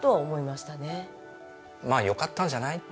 まあよかったんじゃない？